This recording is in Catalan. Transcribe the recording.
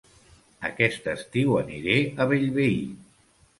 Aquest estiu aniré a Bellvei